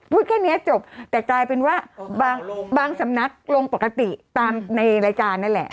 แค่นี้จบแต่กลายเป็นว่าบางสำนักลงปกติตามในรายการนั่นแหละ